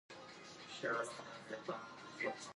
د افغانستان په منظره کې قومونه ښکاره ده.